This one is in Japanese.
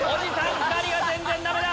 ２人が全然ダメだ！